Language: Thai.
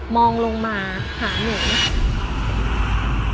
องลงมาหาหนู